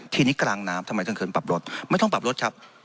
ทีนี้กลางน้ำทำไมต้องเขินปรับรถไม่ต้องปรับรถครับ